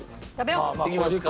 いきますか？